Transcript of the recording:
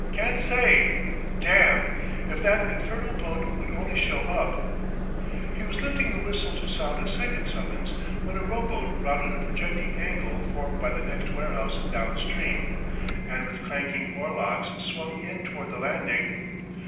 "Can't say.... Damn! ... If that infernal boat would only show up " He was lifting the whistle to sound a second summons when a rowboat rounded a projecting angle formed by the next warehouse down stream, and with clanking oar locks swung in toward the landing.